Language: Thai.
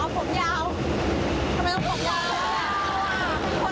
ทำไมต้องผมยาวอะ